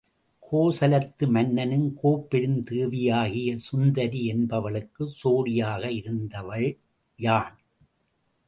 கோசலத்து மன்னனின் கோப்பெருந் தேவியாகிய சுந்தரி என்பவளுக்குச் சேடியாக இருந்தவள் யான்.